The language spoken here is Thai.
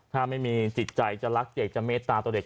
ถ้าไม่มีจิตใจจะรักเด็กจะเมตตาต่อเด็ก